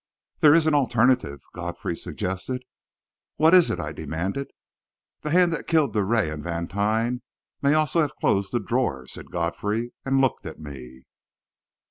"There is an alternative," Godfrey suggested. "What is it?" I demanded. "The hand that killed Drouet and Vantine may also have closed the drawer," said Godfrey, and looked at me.